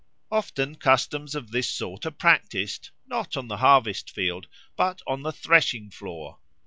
Often customs of this sort are practised, not on the harvest field but on the threshing floor.